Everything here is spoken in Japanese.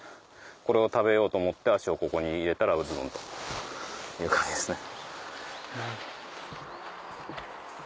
これを食べようと思って足をここに入れたらズドンという感じですね。